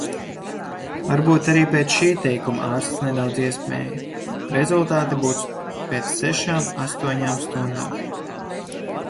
Varbūt arī pēc šī teikuma ārsts nedaudz iesmēja. Rezultāti būs pēc sešām-astoņām stundām.